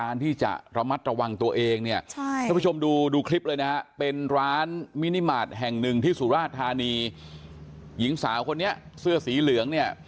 หญิงสาวมินิมาตรแห่งหนึ่งที่สุราชธานีหญิงสาวคนนี้เสื้อสีเหลืองเนี่ย